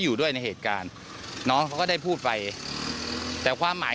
อยู่ด้วยในเหตุการณ์น้องเขาก็ได้พูดไปแต่ความหมาย